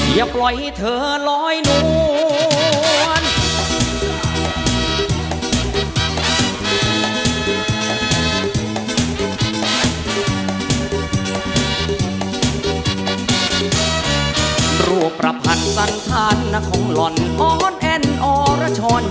อย่าปล่อยเธอล้อยนวล